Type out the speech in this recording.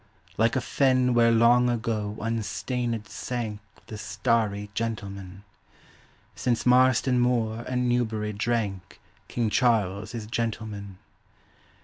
like a fen Where long ago unstainèd sank The starrie gentlemen: Since Marston Moor and Newbury drank King Charles his gentlemen.